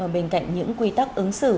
bên cạnh những quy tắc ứng xử